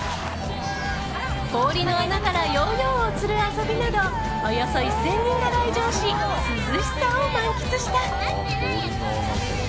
氷の穴からヨーヨーを釣る遊びなどおよそ１０００人が来場し涼しさを満喫した。